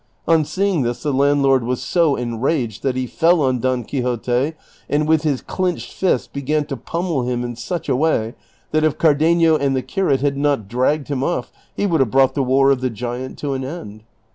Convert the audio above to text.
On seeing this the landlord was so enraged that he fell on Don Quixote, and with his clinched fist began to punuuel him in such a way, that if Car denio and the curate had not dragged him off, he would have brought the war of the giant to an end.